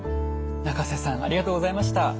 仲瀬さんありがとうございました。